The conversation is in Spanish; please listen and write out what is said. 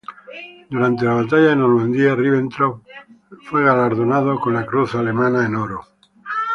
Durante la Batalla de Normandía, Ribbentrop fue galardonado con la Cruz Alemana en Oro.